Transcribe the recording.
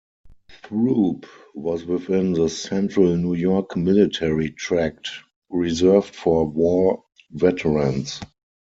Throop was within the Central New York Military Tract, reserved for war veterans.